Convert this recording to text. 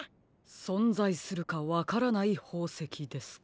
そんざいするかわからないほうせきですか。